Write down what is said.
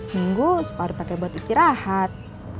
minggu suka dipake buat istirahat